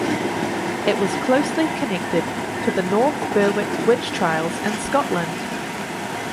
It was closely connected to the North Berwick witch trials in Scotland.